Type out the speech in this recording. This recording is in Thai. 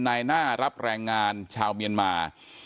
นายหน้ารับแรงงานชาวเมียนมา